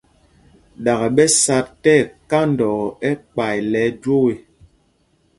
Ɗakɛ ɓɛ sá tí ɛkandɔɔ ɛkpay lɛ ɛjwoo ê.